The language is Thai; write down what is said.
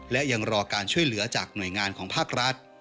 และยังรอการช่วยเหลือจากหน่วยงานของภาครัฐ